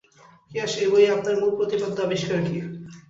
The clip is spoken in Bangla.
পিয়াস এই বইয়ে আপনার মূল প্রতিপাদ্য ও আবিষ্কার কী?